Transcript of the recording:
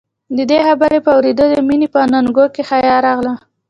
د دې خبرې په اورېدو د مينې په اننګو کې حيا راغله.